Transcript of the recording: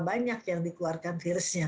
banyak yang dikeluarkan virusnya